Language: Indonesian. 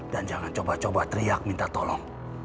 dan jangan coba coba teriak minta tolong